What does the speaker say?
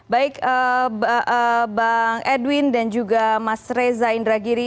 baik bang edwin dan juga mas reza indragiri